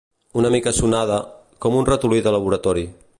Una mica sonada, com un ratolí de laboratori.